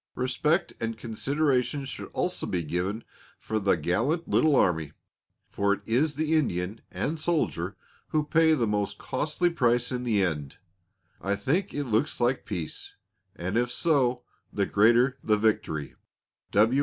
Respect and consideration should also be shown for the gallant little army, for it is the Indian and soldier who pay the most costly price in the end. I think it looks like peace, and if so the greater the victory.